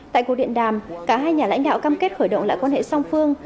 tại cuộc điện đàm cả hai nhà lãnh đạo cam kết khởi động lại quan hệ song phương